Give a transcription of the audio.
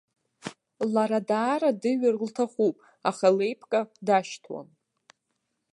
Лара даара дыҩыр лҭахуп, аха леиԥка дашьҭуам.